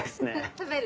食べる？